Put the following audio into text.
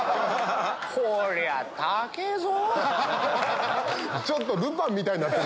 こりゃ高ぇぞ！